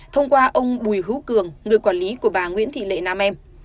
thông qua ông bùi hữu cường người quản lý của bà nguyễn thị lệ nam em